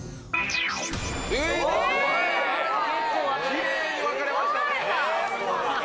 奇麗に分かれましたね。